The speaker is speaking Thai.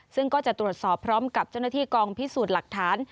ซึ่งก็จะตรวจสอบพร้อมกับเจ้าหน้าที่กองพิสูจน์หลักฐาน